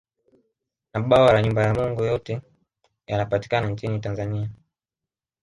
Na Bwawa la Nyumba ya Mungu yote yanapatikana nchini Tanzania